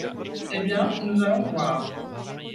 Eh bien ! nous allons voir…